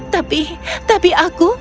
tapi tapi aku